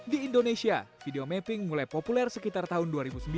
di indonesia video mapping mulai populer sekitar tahun dua ribu sembilan